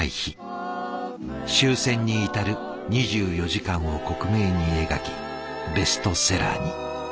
終戦に至る２４時間を克明に描きベストセラーに。